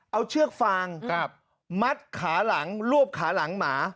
เอาเชือกฟางมัดขาหลังรวบขาหลังหมา